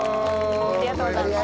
ありがとうございます。